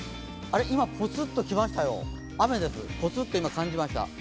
今、ポツッと来ましたよ、雨です、ポツッと感じました。